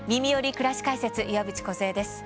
くらし解説」岩渕梢です。